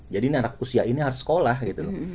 jadi anak usia ini harus sekolah gitu